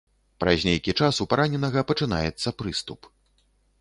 Праз нейкі час у параненага пачынаецца прыступ.